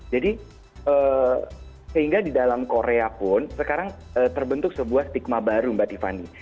jadi sehingga di dalam korea pun sekarang terbentuk sebuah stigma baru mbak tifa ini